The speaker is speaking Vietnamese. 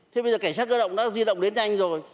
thế bây giờ cảnh sát cơ động đã di động đến nhanh rồi